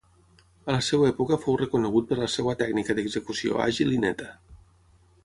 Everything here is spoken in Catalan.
A la seva època fou reconegut per la seva tècnica d'execució àgil i neta.